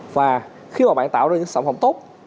và khi mà bạn tạo ra những sản phẩm tốt